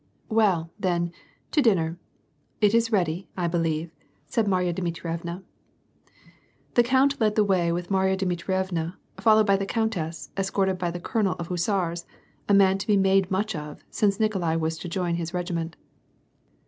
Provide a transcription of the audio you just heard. " Weil, then, to dinner ; it is ready, I believe," said Marya Dmitrievna. The count led the way with Marya Dmitrievna followed by the countess escorted by the colonel of hussars, a man to be made much of, since Nikolai was to join his regiment.